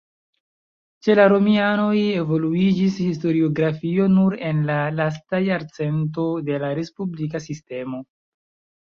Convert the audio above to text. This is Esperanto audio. Ĉe la romianoj evoluiĝis historiografio nur en la lasta jarcento de la respublika sistemo.